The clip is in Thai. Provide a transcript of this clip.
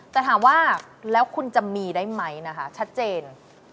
แต่ถามว่าแล้วคุณจะมีได้ไหมนะคะชัดเจน